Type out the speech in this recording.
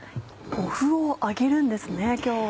麩を揚げるんですね今日は。